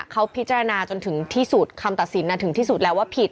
เขาพิจารณาจนถึงที่สุดคำตัดสินถึงที่สุดแล้วว่าผิด